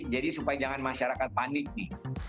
jadi supaya jangan masyarakat panik nih